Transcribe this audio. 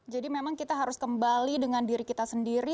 jadi memang kita harus kembali dengan diri kita sendiri